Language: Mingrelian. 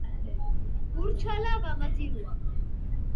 ურჩალა ვამაძირუაფჷ.